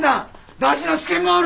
大事な試験もある。